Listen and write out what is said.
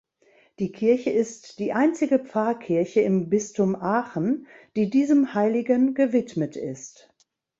Die Kirche ist die einzige Pfarrkirche im Bistum Aachen, die diesem Heiligen gewidmet ist.